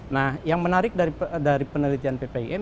nah yang menarik dari penelitian ppim